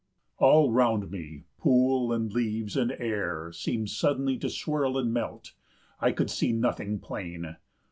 All round me pool, and leaves, and air seemed suddenly to swirl and melt—I could see nothing plain!